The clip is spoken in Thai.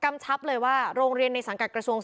ก็เรียกพ่อบรวยการโรงเรียนนี้มาสอบถามข้อเท็จจริงเลย